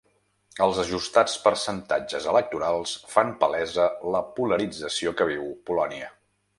Els ajustats percentatges electorals fan palesa la polarització que viu Polònia.